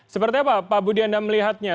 seperti apa pak budi anda melihatnya